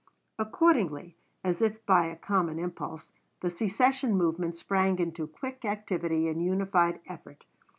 Accordingly, as if by a common impulse, the secession movement sprang into quick activity and united effort.